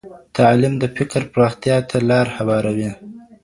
تعليم د فکر پراختيا ته لار هواروي.